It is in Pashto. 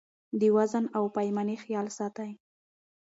د وزن او پیمانې خیال ساتئ.